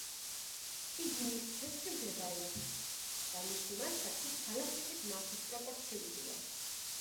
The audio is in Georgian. იგი მის ცენტრში მდებარეობს და მისი მასა თვით გალაქტიკის მასის პროპორციულია.